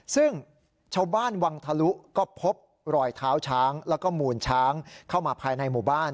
ซึ่งชาวบ้านวังทะลุก็พบรอยเท้าช้างแล้วก็มูลช้างเข้ามาภายในหมู่บ้าน